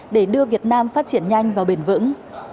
để đưa việt nam phát triển nhanh và bền vững